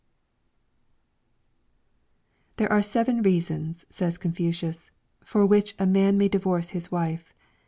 'There are seven reasons/ said Confucius, 'for which a man may divorce his wife.